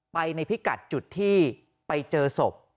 ไปในพิกัดจุดที่ไปเจอศพ